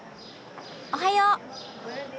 おはよう！